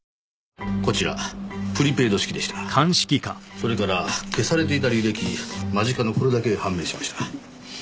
それから消されていた履歴間近のこれだけ判明しました。